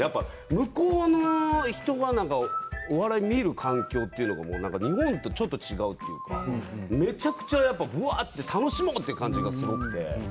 向こうの人はお笑い見る環境というのは日本とちょっと違うというかめちゃくちゃ、わっと楽しもうという感じがすごくて。